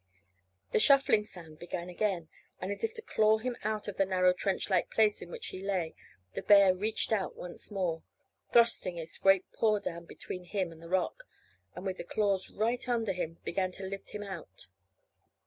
The shuffling sound began again, and as if to claw him out of the narrow trench like place in which he lay, the bear reached out once more, thrusting its great paw down between him and the rock, and with the claws right under him began to lift him out.